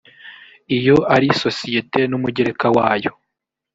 iyo arisosiyete n’umugereka wayo